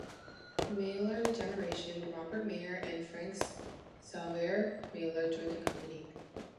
Meiller-Generation, Robert Meyer and Franz Xaver Meiller joined the company.